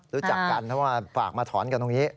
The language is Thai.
รู้จักกันเพราะว่าฝากมาถอนกันตรงนี้